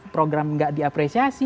program gak diapresiasi